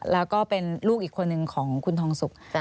แล้วก็เป็นลูกอีกคนนึงของคุณทองสุก